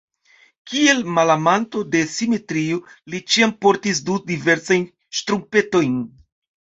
Kiel malamanto de simetrio li ĉiam portis du diversajn ŝtrumpetojn.